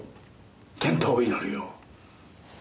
健闘を祈るよ。